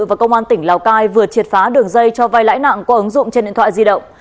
và công an tỉnh lào cai vừa triệt phá đường dây cho vai lãi nặng qua ứng dụng trên điện thoại di động